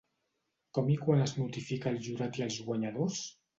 Com i quan es notifica el Jurat i els guanyadors?